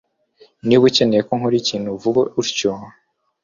Niba ukeneye ko nkora ikintu vuga utyo